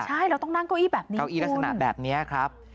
เมื่ออยู่รัฐสมนตร์แบบนี้เขาวี่แบบนี้ครับ